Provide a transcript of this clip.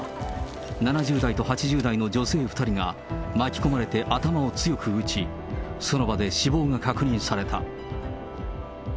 ７０代と８０代の女性２人が、巻き込まれて頭を強く打ち、その場で死亡が確認された。